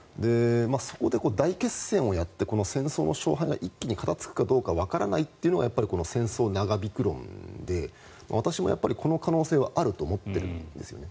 そこで大決戦をやって戦争の勝敗が一気に片がつくかわからないというのがこの戦争長引く論で私もこの可能性はあると思っているんですよね。